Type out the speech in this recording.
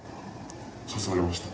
誘われました。